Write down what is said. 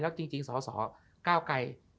แล้วจริงสอสอก้าวไกล